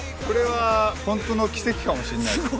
これはホントの奇跡かもしんない。